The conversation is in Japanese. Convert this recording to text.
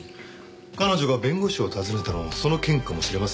彼女が弁護士を訪ねたのもその件かもしれませんね。